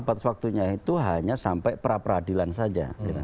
batas waktunya itu hanya sampai perapradilan saja